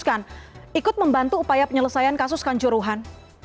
ikut membantu upaya penyelesaian kasus kanjuruhan